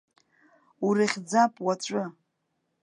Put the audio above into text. Урыхьӡап уаҵәы!